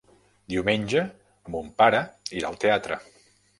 Diumenge mon pare irà al teatre.